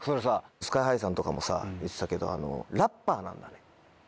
ＳＫＹ−ＨＩさんとかも言ってたけど「ラ」ッパーなんだね。